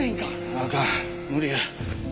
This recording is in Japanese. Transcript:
あかん無理や。